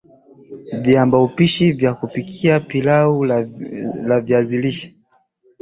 Viambaupishi vya kupikia pilau la viazi lishe